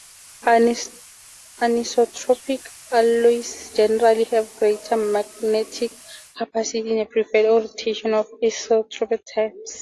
Anisotropic alloys generally have greater magnetic capacity in a preferred orientation than isotropic types.